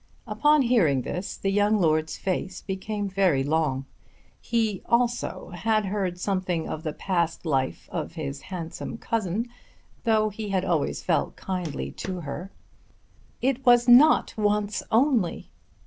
Upon hearing this the young lord's face became very long. He also had heard something of the past life of his handsome cousin, though he had always felt kindly to her. "It was not once only."